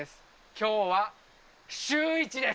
きょうはシューイチです。